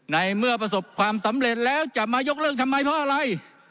ในเมื่อประสบความสำเร็จแล้วจะมายกเลิกทำไมเพราะอะไร